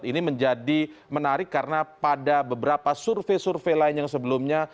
ini menjadi menarik karena pada beberapa survei survei lain yang sebelumnya